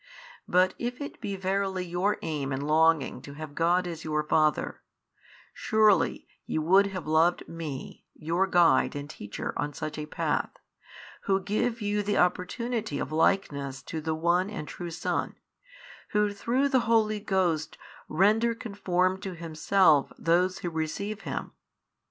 But if it be verily your aim and longing to have God as your Father, surely ye would have loved Me your Guide and Teacher on such a path, Who give you the opportunity of likeness to the One and True Son, Who through the Holy Ghost render conformed to Himself those who receive Him.